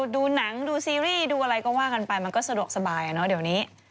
ดูหนังดูซีรีส์ดูอะไรก็ว่ากันไปมันก็สะดวกสบายอะเนาะเดี๋ยวนี้